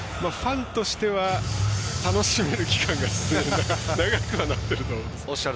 ファンとしては楽しめる期間が長くはなってると。